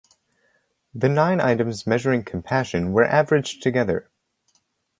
The nine items measuring compassion were averaged together.